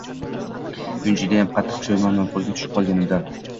Men judayam qattiq pushaymonman qo'lga tushib qolganimdan...